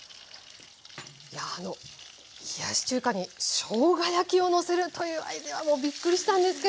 いやあの冷やし中華にしょうが焼きをのせるというアイデアはもうびっくりしたんですけど。